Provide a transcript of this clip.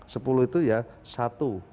sepuluh itu ya satu